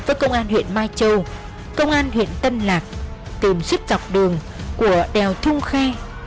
với công an huyện mai châu công an huyện tân lạc tìm suýt dọc đường của đèo thông khe